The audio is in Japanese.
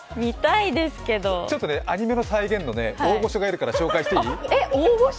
ちょっとね、アニメの再現の大御所がいるから紹介していい？